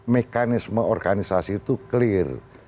mekanisme organisasi itu clear